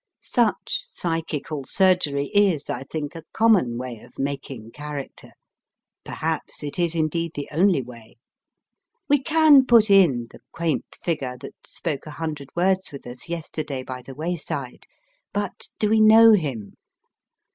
Such psychical surgery is, I think, a common way of making character ; perhaps it is, indeed, the only way. We can put in the quaint figure that spoke a hundred words with us yesterday by the wayside ; but do we know him